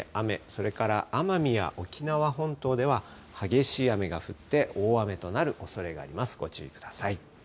それから奄美や沖縄本島では激しい雨が降って大雨となるおそれがあります、ご注意ください。